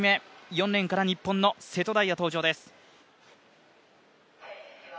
４レーンから日本の瀬戸大也登場です。